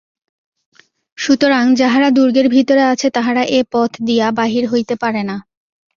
সুতরাং যাহারা দুর্গের ভিতরে আছে তাহারা এ পথ দিয়া বাহির হইতে পারে না।